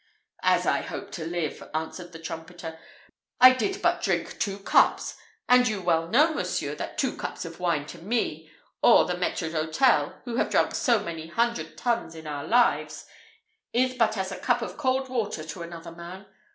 "As I hope to live," answered the trumpeter, "I did but drink two cups; and you well know, monsieur, that two cups of wine to me, or the maître d'hôtel, who have drunk so many hundred tuns in our lives, is but as a cup of cold water to another man.